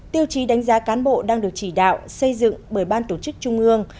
tiêu chí đánh giá cán bộ đang được chỉ đạo xây dựng bởi ban tổ chức trung ương